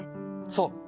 そう。